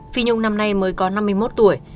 phi nông năm nay mới có năm mươi một tuổi